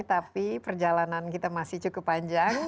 tapi perjalanan kita masih cukup panjang